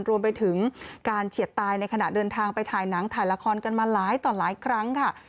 รวมไปถึงการเฉียดตายในขณะเดินทางไปถ่ายหนังถ่ายละครกันมาหลายต่อหลายครั้งค่ะ